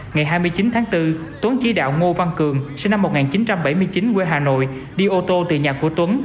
ngày hai mươi chín tháng bốn tuấn chỉ đạo ngô văn cường sinh năm một nghìn chín trăm bảy mươi chín quê hà nội đi ô tô từ nhà của tuấn